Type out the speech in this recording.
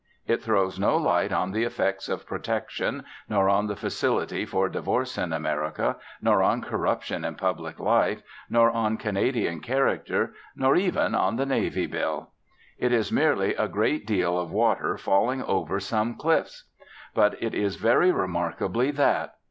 It throws no light on the effects of Protection, nor on the Facility for Divorce in America, nor on Corruption in Public Life, nor on Canadian character, nor even on the Navy Bill. It is merely a great deal of water falling over some cliffs. But it is very remarkably that.